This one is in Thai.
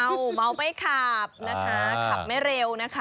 เมาเมาไม่ขับนะคะขับไม่เร็วนะคะ